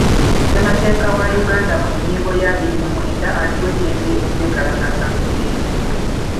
Ssemateeka wa Uganda mu nnyingo ya abiri mu mwenda atuwa eddembe okwekalakaasa mu mirembe.